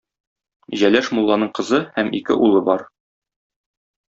Җәләш мулланың кызы һәм ике улы бар.